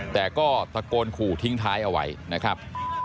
แต่ก็ตะโกนขู่ทิ้งท้ายเอาไว้นะครับ